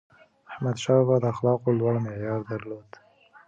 احمدشاه بابا د اخلاقو لوړ معیار درلود.